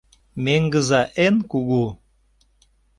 Меҥыза эн кугу.